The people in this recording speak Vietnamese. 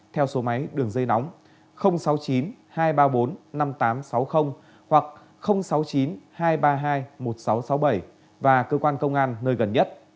theo số máy đường dây nóng sáu mươi chín hai trăm ba mươi bốn năm nghìn tám trăm sáu mươi hoặc sáu mươi chín hai trăm ba mươi hai một nghìn sáu trăm sáu mươi bảy và cơ quan công an nơi gần nhất